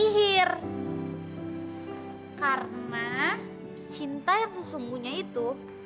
harusnya kamu ngeduluin aku